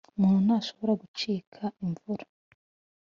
Umuntu ntashobora gucika imva